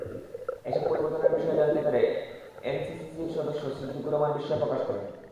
এসব পরিবর্তনের বিষয়ে জানতে পেরে এনসিসিসির সদস্য ছিদ্দিকুর রহমান বিস্ময় প্রকাশ করেন।